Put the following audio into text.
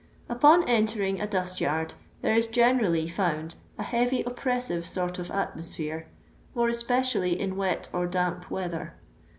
Upon entering a dust yard there is generally found a heavy oppressive s« rt of atmosphere, more especially in wet or damp weather.